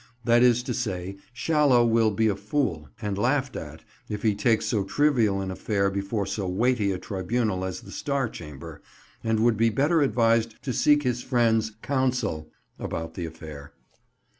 That is to say Shallow will be a fool, and laughed at if he takes so trivial an affair before so weighty a tribunal as the Star Chamber, and would be better advised to seek his friends' counsel about the affair.